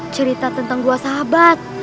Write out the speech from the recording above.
cerita tentang dua sahabat